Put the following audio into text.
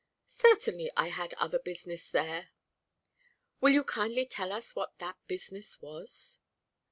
"Certainly. I had other business there." "Will you kindly tell us what that business was?"